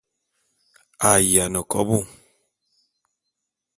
A yiane kobô.